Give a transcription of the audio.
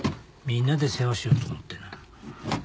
みんなで世話しようと思ってな。